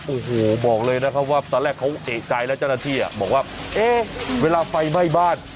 โอ้โหบอกเลยนะครับว่าตอนแรกเขาเอกใจแล้วเจ้าหน้าที่บอกว่าเอ๊ะเวลาไฟไหม้บ้าน